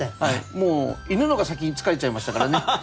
もう犬の方が先に疲れちゃいましたからね。